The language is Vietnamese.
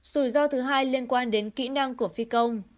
rủi ro thứ hai liên quan đến kỹ năng của phi công